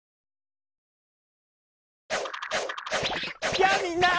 やあみんな！